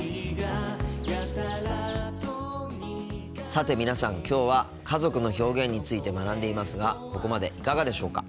さて皆さんきょうは家族の表現について学んでいますがここまでいかがでしょうか。